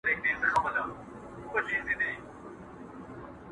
پر نیم ولس مو بنده چي د علم دروازه وي،